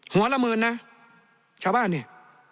ละเมินนะชาวบ้านเนี่ย